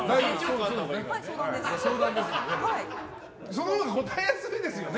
そのほうが答えやすいですよね。